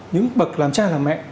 những bậc làm cha làm mẹ